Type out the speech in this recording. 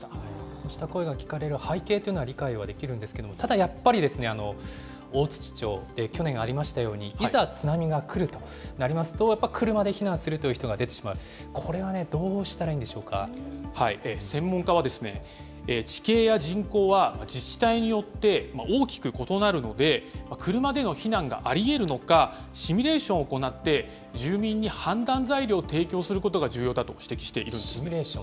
そうした声が聞かれる背景というのは理解ができるんですけれども、ただやっぱり、大槌町で去年ありましたように、いざ津波が来るとなりますと、やっぱり車で避難するという人が出てしまう、専門家は、地形や人口は自治体によって大きく異なるので、車での避難がありえるのかシミュレーションを行って、住民に判断材料を提供することが重要だと指摘しているんです。